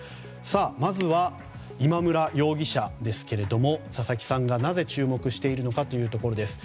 まずは、今村容疑者ですけれども佐々木さんがなぜ注目しているのかです。